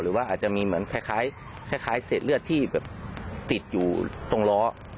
หรือว่าอาจจะมีเหมือนคล้ายเศษเลือดที่แบบติดอยู่ตรงล้อ